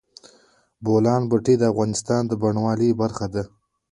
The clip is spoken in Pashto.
د بولان پټي د افغانستان د بڼوالۍ برخه ده.